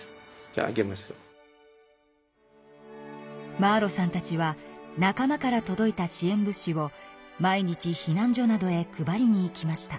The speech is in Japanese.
マーロさんたちは仲間からとどいた支えん物資を毎日避難所などへ配りに行きました。